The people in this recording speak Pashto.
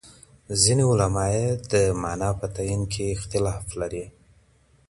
ځيني علماء ئې د معنی په تعين کي اختلاف لري.